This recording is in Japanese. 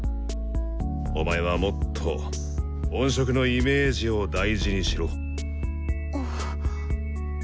お前はもっと音色のイメージを大事にしろ。